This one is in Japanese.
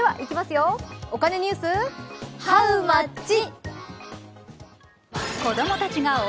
お金ニュース、ハウマッチ！